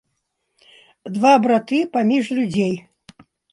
Два браты паміж людзей.